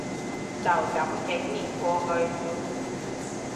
就噉幾年過去